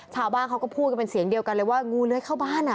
ชาวบ้านเขาก็พูดกันเป็นเสียงเดียวกันเลยว่างูเลื้อยเข้าบ้าน